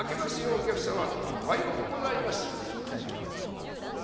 お客様おはようございます」。